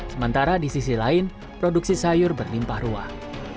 sementara di sisi lain produksi sayur berlimpah ruah